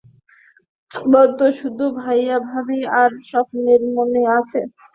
তোমার তো শুধু ভাইয়া ভাবি আর তাদের স্বপ্ন মনে আছে।